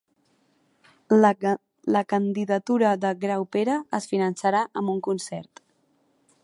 La candidatura de Graupera es finançarà amb un concert